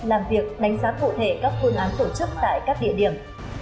làm việc đánh giá cụ thể các phương án tổ chức tại các địa điểm